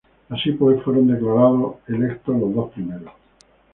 Así pues, fueron declarados electos los dos primeros.